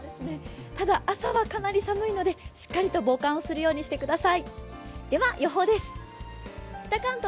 ただ朝は、かなり寒いので、しっかりと防寒するようにしてください。